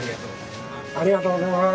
ありがとうございます。